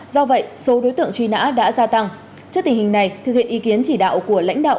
do vậy số đối tượng truy nã đã gia tăng trước tình hình này thực hiện ý kiến chỉ đạo của lãnh đạo